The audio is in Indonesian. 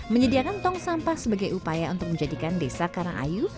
menyediakan tong sampah sebagai upaya untuk menjadikan desa karangayu